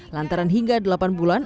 lantaran hingga delapan bulan